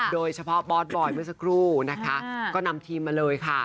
โดยเฉพาะบอสบอยเมื่อสักครู่นะคะก็นำทีมมาเลยค่ะ